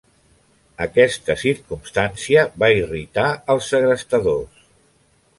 Aquesta circumstància va irritar els segrestadors.